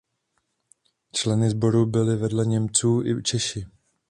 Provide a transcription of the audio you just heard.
Členy sboru byli vedle Němců i Češi.